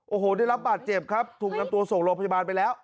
โอ้โหได้รับบาดเจ็บครับถูกนำตัวส่งโรงพยาบาลไปแล้ว